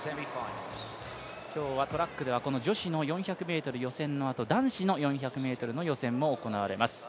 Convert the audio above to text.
今日はトラックでは女子４００ｍの予選のあと男子の４００ｍの予選も行われます。